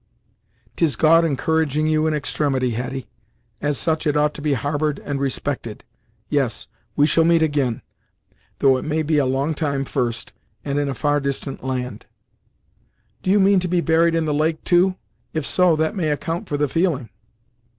"'Tis God encouraging you in extremity, Hetty; as such it ought to be harbored and respected. Yes, we shall meet ag'in, though it may be a long time first, and in a far distant land." "Do you mean to be buried in the lake, too? If so, that may account for the feeling."